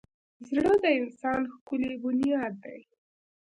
زړه د انسان ښکلی بنیاد دی.